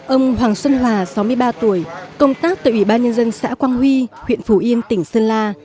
ông hoàng xuân hòa sáu mươi ba tuổi công tác tại ủy ban nhân dân xã quang huy huyện phủ yên tỉnh sơn la